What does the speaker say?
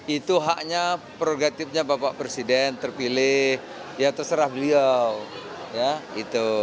itu haknya prioritatifnya bapak presiden terpilih ya terserah beliau